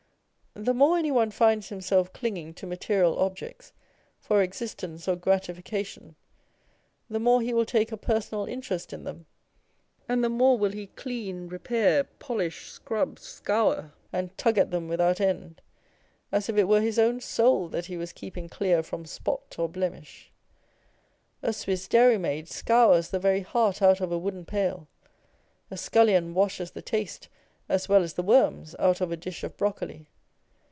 The more any one finds himself clinging to material objects for existence or gratification, the more he will take a personal interest in them, and the more will he clean, repair, polish, scrub, scour, and tug at them without end, as if it were his own soul that he was keeping clear from spot or blemish. A Swiss dairymaid scours the very heart out of a wooden pail ; a scullion washes the taste as well as the worms out of a dish of brocoli.